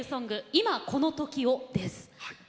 「今この瞬間を」です。